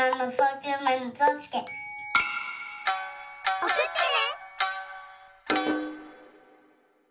おくってね！